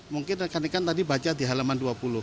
mungkin rekan rekan tadi baca di halaman dua puluh